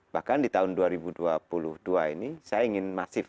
bahkan di tahun dua ribu dua puluh dua ini saya ingin masif